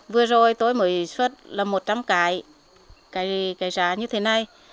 vừa rồi tôi mới xuất là một trăm linh cái giá như thế này